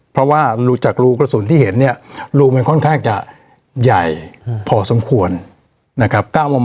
เพราะว่าจากรูกระสุนที่เห็นเนี่ยรูมันค่อนข้างจะใหญ่พอสมควรนะครับ